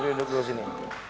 sobri duduk dulu sini